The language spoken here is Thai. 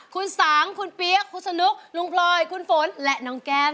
คุณสังคุณเปี๊ยกคุณสนุกลุงพลอยคุณฝนและน้องแก้ม